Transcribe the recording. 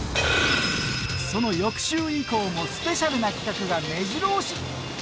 その翌週以降もスペシャルな企画がめじろ押し！